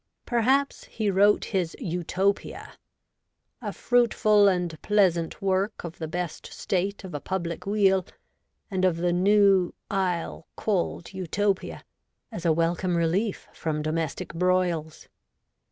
Perhaps, he wrote his Utopia, 'A fruteful and pleasaunt Worke of the beste State of a publyque Weale, and of the newe yle called Utopia,' as a welcome relief from domestic broils.